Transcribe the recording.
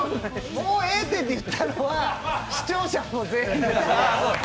「もうええて」って言ったのは視聴者の声です。